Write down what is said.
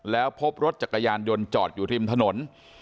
แล้วพบรถจักรยานยนต์จอดอยู่ริมถนน